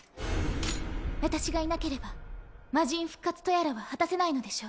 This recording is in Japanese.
私がいなければ魔神復活とやらは果たせないのでしょ？